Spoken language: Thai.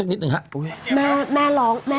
คุณอยากเห็นฉันอย่างนี้อย่างนี้